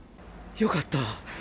よかった。